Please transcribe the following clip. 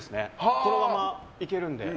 このままいけるんで。